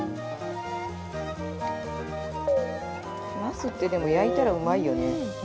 ナスってでも焼いたらうまいよね。